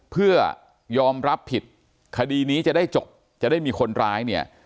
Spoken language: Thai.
เพื่อยอมรับผิดคดีนี้จะได้จบจะได้มีคนร้ายเนี่ย